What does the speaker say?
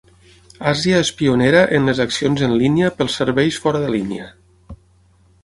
Asia és pionera en les accions en línia pels serveis fora de línia.